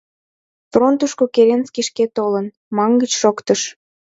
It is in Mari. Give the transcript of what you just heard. — Фронтышко Керенский шке толын, — мангыч шоктыш.